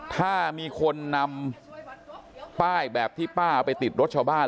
ถ้ามีคนนำป้ายแบบที่ป้าเอาไปติดรถชาวบ้าน